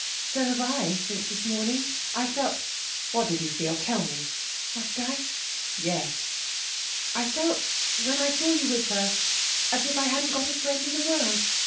'So have I, since this morning. I felt ' 'What did you feel? Tell me!' 'Must I?' 'Yes!' 'I felt, when I saw you with her, as if I hadn't got a friend in the world.